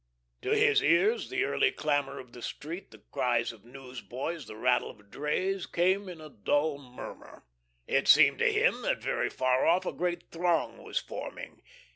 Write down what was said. To his ears the early clamour of the street, the cries of newsboys, the rattle of drays came in a dull murmur. It seemed to him that very far off a great throng was forming.